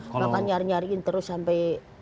bahkan nyari nyariin terus sampai